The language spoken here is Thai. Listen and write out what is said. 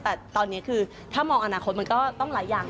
แต่ตอนนี้คือถ้ามองอนาคตมันก็ต้องหลายอย่าง